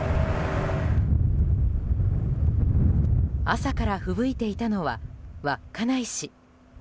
朝からふぶいていたのは稚内市。